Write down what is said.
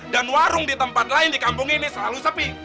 warung di tempat lain di kampung ini selalu sepi